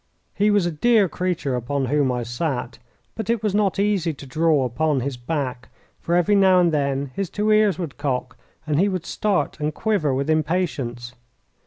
He was a dear creature upon whom I sat, but it was not easy to draw upon his back, for every now and then his two ears would cock, and he would start and quiver with impatience.